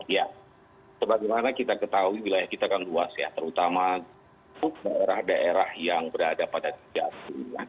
ya sebagaimana kita ketahui wilayah kita kan luas ya terutama daerah daerah yang berada pada tiga t